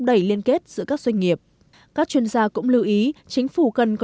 đẩy liên kết giữa các doanh nghiệp các chuyên gia cũng lưu ý chính phủ cần có